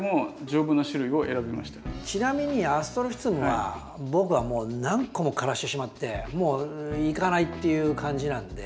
ちなみにアストロフィツムは僕はもう何個も枯らしてしまってもういかないっていう感じなんで。